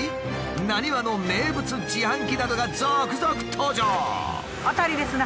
なにわの名物自販機などが続々登場。